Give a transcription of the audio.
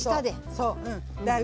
そう。